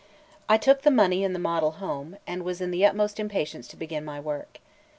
XLV I TOOK the money and the model home, and was in the utmost impatience to begin my work.